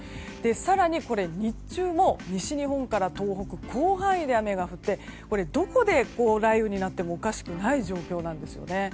更に日中も西日本から東北広範囲で雨が降ってどこで雷雨になってもおかしくない状況なんですよね。